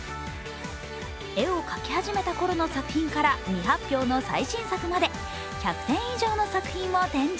絵を描き始めたころの作品から未発表の最新作まで、１００点以上の作品を展示。